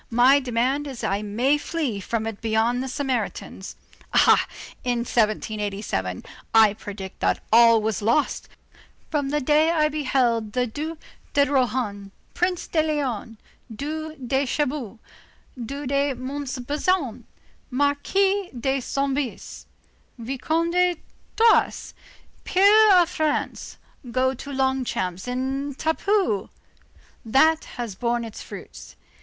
My demand is that I may flee from it beyond the Sarmatians. Ah! in 1787, I predict that all was lost, from the day when I beheld the Duc de Rohan, Prince de Léon, Duc de Chabot, Duc de Montbazon, Marquis de Soubise, Vicomte de Thouars, peer of France, go to Longchamps in a tapecu! That has borne its fruits.